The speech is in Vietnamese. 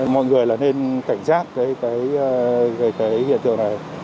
mọi người là nên cảnh giác với cái hiện tượng này